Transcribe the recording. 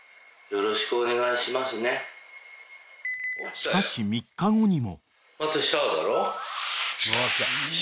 ［しかし３日後にも］